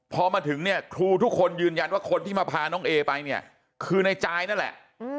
พอมาถึงเนี่ยครูทุกคนยืนยันว่าคนที่มาพาน้องเอไปเนี่ยคือในจายนั่นแหละ